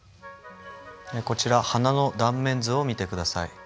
こちら花の断面図を見て下さい。